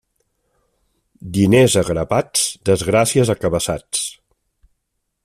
Diners a grapats, desgràcies a cabassats.